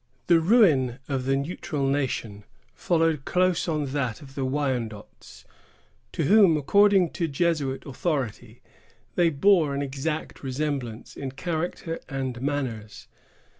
The ruin of the Neutral Nation followed close on that of the Wyandots, to whom, according to Jesuit authority, they bore an exact resemblance in character and manners.